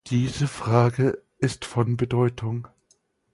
Diese Frage ist von Bedeutung.